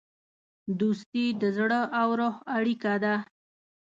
دوستي د زړه او روح اړیکه ده.